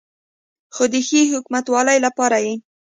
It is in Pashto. خو د ښې حکومتولې لپاره یې